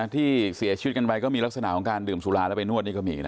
ที่เสียชีวิตกันไปก็มีลักษณะของการดื่มสุราแล้วไปนวดนี่ก็มีนะ